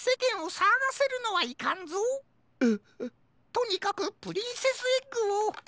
とにかくプリンセスエッグを。